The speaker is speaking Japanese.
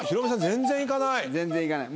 全然いかない。